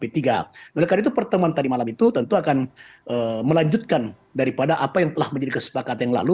oleh karena itu pertemuan tadi malam itu tentu akan melanjutkan daripada apa yang telah menjadi kesepakatan yang lalu